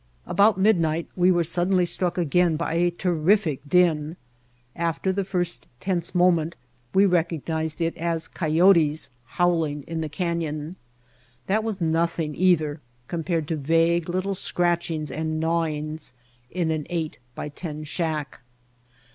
About midnight we were suddenly struck awake by a terrific din. After the first tense moment we recognized it as coy otes howling in the canyon. That was nothing either compared to vague little scratchings and gnawings in an eight by ten shack.